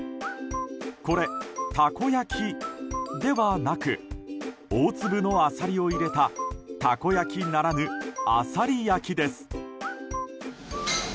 これ、たこ焼きではなく大粒のアサリを入れたたこ焼きならぬあさり焼きです。